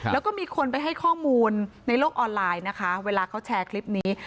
แล้วก็มีคนไปให้ข้อมูลในโลกออนไลน์นะคะเวลาเขาแชร์คลิปนี้